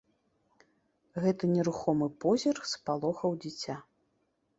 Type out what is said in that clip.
Гэты нерухомы позірк спалохаў дзіця.